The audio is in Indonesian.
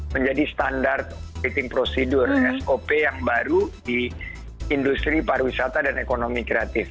menjadi standar fitting procedure sop yang baru di industri pariwisata dan ekonomi kreatif